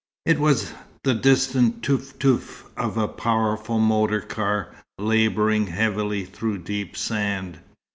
It was the distant teuf teuf of a powerful motor car, labouring heavily through deep sand.